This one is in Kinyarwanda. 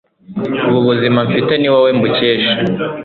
ubu buzima mfite ni wowe mbukesha